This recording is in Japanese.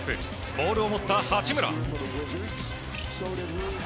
ボールを持った八村。